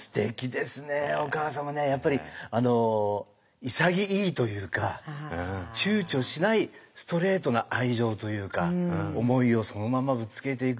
やっぱり潔いというかちゅうちょしないストレートな愛情というか思いをそのままぶつけていくって。